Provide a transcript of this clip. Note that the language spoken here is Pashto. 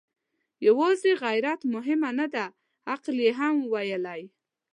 يواځې غيرت مهمه نه ده، عقل يې هم ويلی.